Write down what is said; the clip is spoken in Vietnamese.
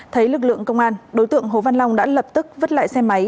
thấy lực lượng công an đối tượng hồ văn long đã lập tức vứt lại xe máy